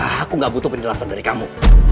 aku gak butuh penjelasan dari kamu